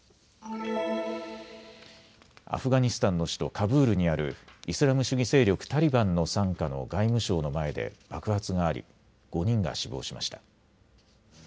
アフガニスタンの首都カブールにあるイスラム主義勢力タリバンの傘下の外務省の前で爆発があり５人が死亡しました。